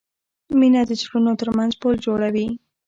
مینه د زړونو ترمنځ پُل جوړوي.